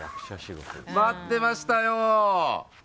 待ってましたよ。